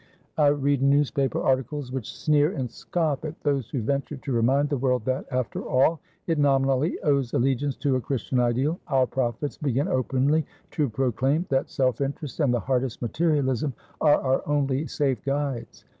I read newspaper articles which sneer and scoff at those who venture to remind the world that, after all, it nominally owes allegiance to a Christian ideal. Our prophets begin openly to proclaim that self interest and the hardest materialism are our only safe guides.